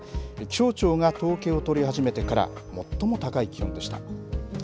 気象庁が統計を取り始めてから最も高い気温でした。